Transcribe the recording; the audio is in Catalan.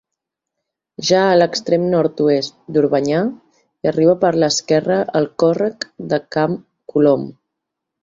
Ja a l'extrem nord-oest d'Orbanyà hi arriba per l'esquerra el Còrrec de Camp Colom.